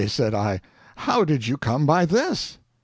said I, "how did you come by this?"